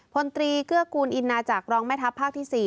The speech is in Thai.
พลตรีเกื้อกูลอินนาจักรรองแม่ทัพภาคที่๔